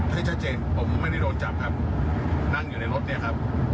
ที่ชัดเจนผมไม่ได้โดนจับครับนั่งอยู่ในรถเนี่ยครับ